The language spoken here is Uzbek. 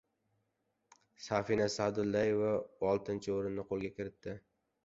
Safina Sadullayeva oltinchi o‘rinni qo‘lga kiritdi